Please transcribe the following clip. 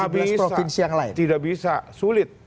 habis yang lain tidak bisa sulit